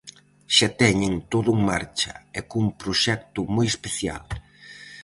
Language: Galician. Xa teñen todo en marcha, e cun proxecto moi especial.